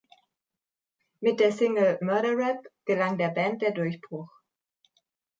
Mit der Single "Murder Rap" gelang der Band der Durchbruch.